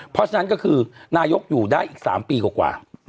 เพราะฉะนั้นก็คือนายกอยู่ได้อีก๓ปีกว่า